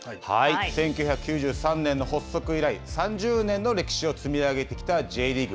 １９９３年の発足以来３０年の歴史を積み上げてきた、Ｊリーグ。